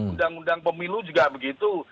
undang undang pemilu juga begitu